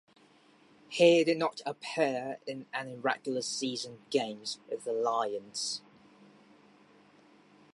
He did not appear in any regular season games with the Lions.